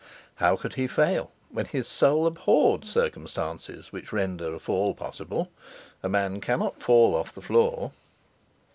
How could he fall, when his soul abhorred circumstances which render a fall possible—a man cannot fall off the floor!